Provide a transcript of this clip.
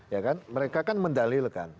ya kan mereka kan mendalilkan